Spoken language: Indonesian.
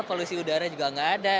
polusi udara juga nggak ada